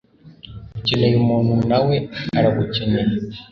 ukeneye umuntu, nawe uragukeneye